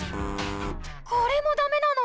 これもダメなの？